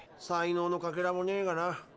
才能のかけらもねえがな。